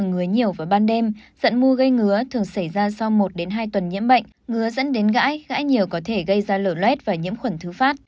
ngứa dẫn đến gãi gãi nhiều có thể gây ra lở loét và nhiễm khuẩn thứ phát